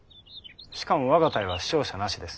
しかも我が隊は死傷者なしです。